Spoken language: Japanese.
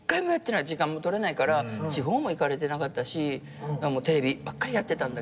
時間も取れないから地方も行かれてなかったしテレビばっかりやってたんだけど。